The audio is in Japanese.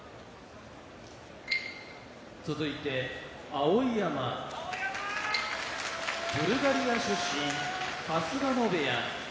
碧山ブルガリア出身春日野部屋